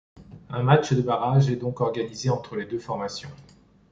Un match de barrage est donc organisé entre les deux formations.